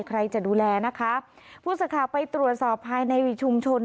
ใครจะดูแลนะคะผู้สื่อข่าวไปตรวจสอบภายในชุมชน